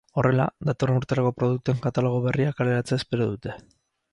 Horrela, datorren urterako produktuen katalogo berria kaleratzea espero dute.